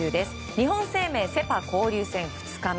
日本生命セ・パ交流戦２日目。